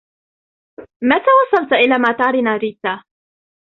متى وصلت إلى مطار ناريتا ؟